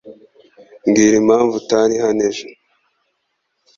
Mbwira impamvu utari hano ejo.